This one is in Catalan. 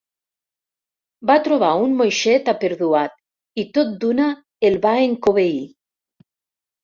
Va trobar un moixet aperduat i tot d'una el va encobeir.